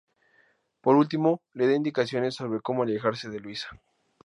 Por último le da indicaciones sobre cómo alejarse de Luisa.